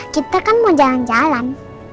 kita kan mau jalan jalan